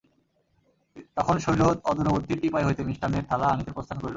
তখন শৈল অদূরবর্তী টিপাই হইতে মিষ্টান্নের থালা আনিতে প্রস্থান করিল।